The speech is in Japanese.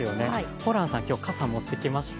ホランさん、今日、傘、持ってきました？